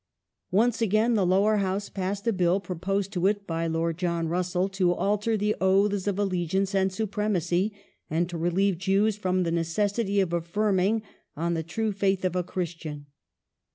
Once again the Lower House passed a Bill, proposed to it by Lord John Russell, to alter the Oaths of Allegiance and Supremacy and to relieve Jews from the necessity of affirming " on the true faith of a Christian